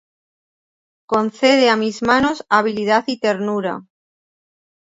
Concede a mis manos habilidad y ternura.